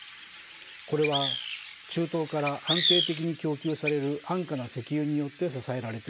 これは中東から安定的に供給される安価な石油によって支えられていました。